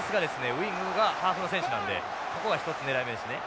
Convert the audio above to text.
ウイングがハーフの選手なのでここが一つ狙い目ですね。